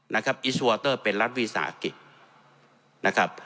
อิสวอเตอร์เป็นรัฐวิสาหกิจนะครับ